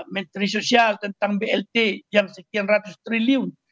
menteri sosial tentang blt yang sekian ratus triliun